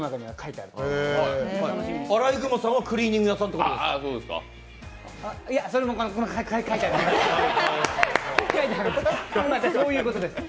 あらいぐまさんはクリーニング屋さんということですか？